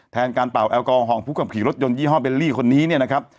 การเป่าแอลกอลของผู้ขับขี่รถยนต์ยี่ห้อเบลลี่คนนี้เนี่ยนะครับ